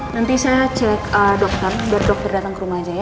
nanti saya cek dokter biar dokter datang ke rumah aja ya